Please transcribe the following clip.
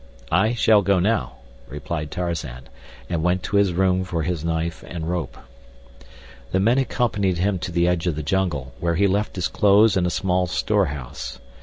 "I shall go now," replied Tarzan, and went to his room for his knife and rope. The men accompanied him to the edge of the jungle, where he left his clothes in a small storehouse.